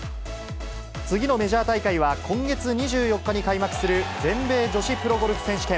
次のメジャー大会は、今月２４日に開幕する全米女子プロゴルフ選手権。